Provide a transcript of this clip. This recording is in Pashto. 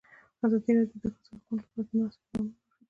ازادي راډیو د د ښځو حقونه لپاره د مرستو پروګرامونه معرفي کړي.